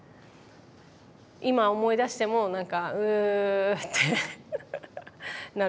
今思い出してもなんかうってなる。